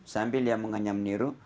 sambil dia mengenyam nyiru